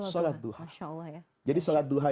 sholat duha jadi sholat duha